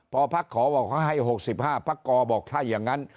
พอพักขอบอกเขาให้๖๕พักกรบอกถ้าอย่างนั้น